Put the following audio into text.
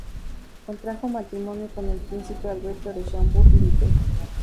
Contrajo matrimonio con el príncipe Alberto de Schaumburg-Lippe.